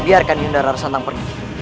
biarkan yunda rara santang pergi